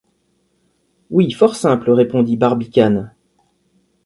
Oui, fort simple, répondit Barbicane.